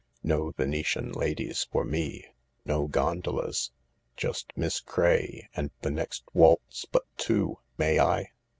No Venetian ladies for me, no gondolas — just Miss Craye and the next waltz but two — may I